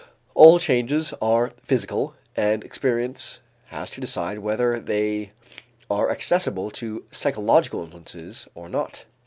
All changes are physical and experience has to decide whether they are accessible to psychological influences or not.